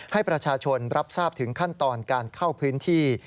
ให้ประชาชนรับทราบถึงขั้นตอนการเข้าพื้นที่